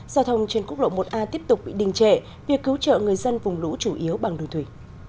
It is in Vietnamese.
giao thông trên quốc lộ một a tiếp tục bị đình trệ việc cứu trợ người dân vùng lũ chủ yếu bằng đường thủy